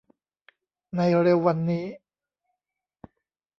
ในเร็ววันนี้